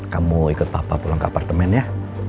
kamu ikut papa pulang ke apartemen ya